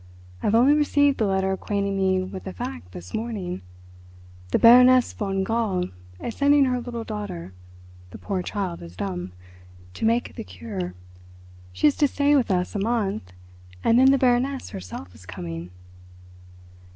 "I have only received the letter acquainting me with the fact this morning. The Baroness von Gall is sending her little daughter—the poor child is dumb—to make the 'cure.' She is to stay with us a month, and then the Baroness herself is coming."